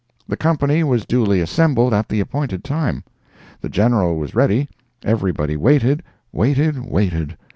The company was duly assembled at the appointed time. The General was ready. Everybody waited—waited—waited.